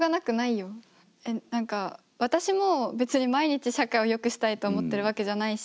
何か私も別に毎日社会をよくしたいと思ってるわけじゃないし。